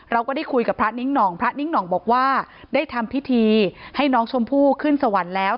เราก็ได้คุยกับพระนิ้งห่องพระนิ้งหน่องบอกว่าได้ทำพิธีให้น้องชมพู่ขึ้นสวรรค์แล้ว